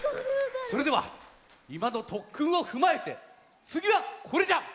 それではいまのとっくんをふまえてつぎはこれじゃ！